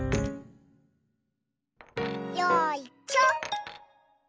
よいしょ。